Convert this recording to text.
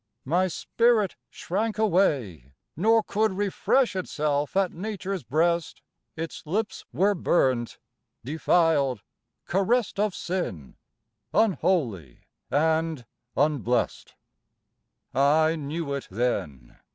My spirit shrank away, nor could Refresh itself at Nature's breast, Its lips were burnt, defiled, caressed Of sin, unholy and unblessed! I knew it then!